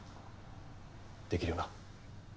できるよな？